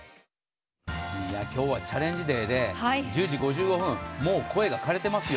今日はチャレンジデーで１０時５５分もう声がかれてますよ。